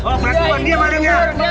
oh maksudnya dia malingnya